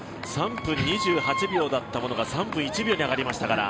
３分２８秒だったものが３分１秒に上がりましたから。